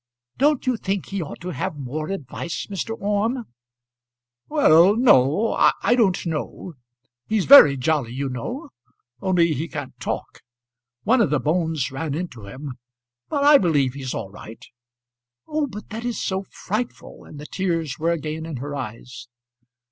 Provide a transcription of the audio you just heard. "Don't you think he ought to have more advice, Mr. Orme?" "Well, no; I don't know. He's very jolly, you know; only he can't talk. One of the bones ran into him, but I believe he's all right." "Oh, but that is so frightful!" and the tears were again in her eyes.